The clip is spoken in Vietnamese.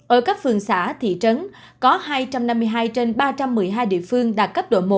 ở các phường xã thị trấn có hai trăm năm mươi hai trên ba trăm một mươi hai địa phương đạt cấp độ một